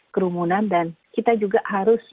kerumunan dan kita juga harus